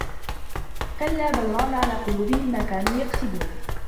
كَلّا بَل رانَ عَلى قُلوبِهِم ما كانوا يَكسِبونَ